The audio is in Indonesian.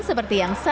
seperti yang lainnya